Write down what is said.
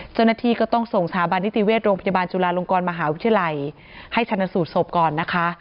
เจ้าหน้าที่ก็ต้องส่งสถาบันนิติเวชโรงพยาบาลจุฬาลงกรมหาวิทยาลัยให้ชนะสูตรศพก่อนนะคะ